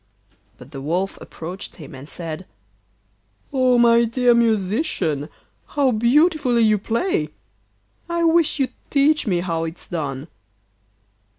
But the Wolf approached him and said: 'Oh, my dear musician, how beautifully you play! I wish you'd teach me how it's done.